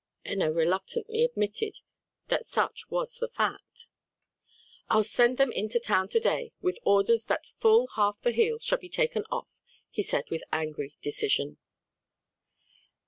Enna reluctantly admitted that such was the fact. "I'll send them into town to day, with orders that full half the heel shall be taken off," he said with angry decision.